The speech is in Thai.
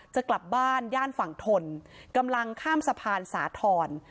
จะกลับบ้านย่านฝั่งทนกำลังข้ามสะพานสาธรณ์